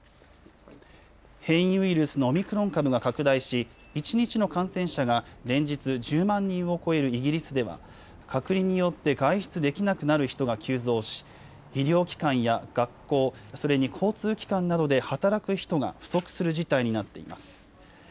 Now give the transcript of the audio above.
変異ウイルスのオミクロン株が拡大し、一日の感染者が連日１０万人を超えるイギリスでは隔離によって外出できなくなる人が急増し医療機関や学校、それに交通機関などで働く人が不足する事態になっています。